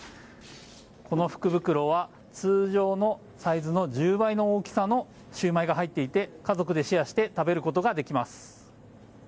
この福袋は、通常のサイズの１０倍の大きさのシューマイが入っていて家族でシェアして食べることができます。